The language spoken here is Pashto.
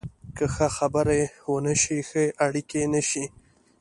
که ښه خبرې ونه شي، ښه اړیکې نشي